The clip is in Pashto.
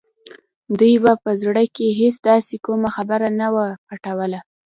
دوی به په زړه کې هېڅ داسې کومه خبره نه وه پټوله